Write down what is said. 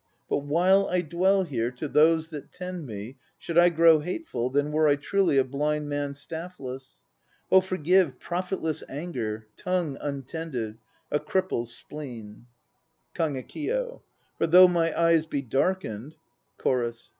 "But while I dwell here To those that tend me Should I grow hateful Then were I truly A blind man staffless. Oh forgive Profitless anger, tongue untended, A cripple's spleen." KAGEKIYO. For though my eyes be darkened CHORUS.